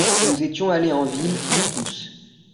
Nous étions allés en ville, nous tous.